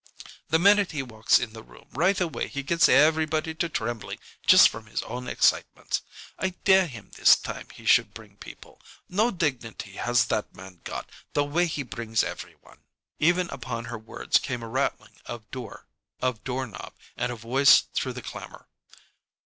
The minute he walks in the room right away he gets everybody to trembling just from his own excitements. I dare him this time he should bring people. No dignity has that man got, the way he brings every one." Even upon her words came a rattling of door, Of door knob, and a voice through the clamor.